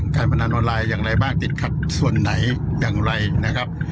พนันออนไลน์อย่างไรบ้างติดขัดส่วนไหนอย่างไรนะครับ